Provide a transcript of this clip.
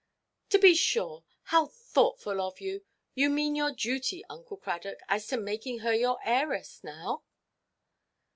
"To be sure. How thoughtful of you! You mean your duty, Uncle Cradock, as to making her your heiress, now?"